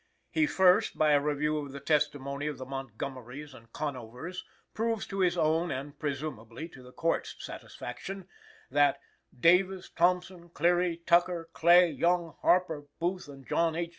He, first, by a review of the testimony of the Montgomeries and Conovers, proves to his own and, presumably, to the Court's satisfaction, that "Davis, Thompson, Cleary, Tucker, Clay, Young, Harper, Booth and John H.